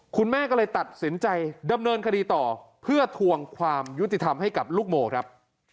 คุณแม่ก็เลยตัดสินใจดำเนินคดีต่อเพื่อทวงความยุติธรรมให้กับลูกโมครับ